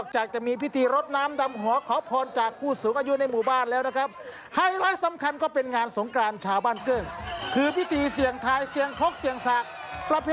ใช่แล้วครับด้วยความเป็นสิริมงคลนะครับ